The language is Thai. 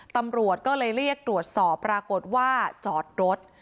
ตำรวจก็เลยเรียกตรวจสอบปรากฏว่าจอดรถ